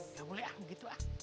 nggak boleh aku gitu ah